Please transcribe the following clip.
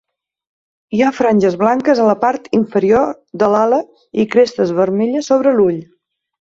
Hi ha franges blanques a la part inferior de l'ala i crestes vermelles sobre l'ull.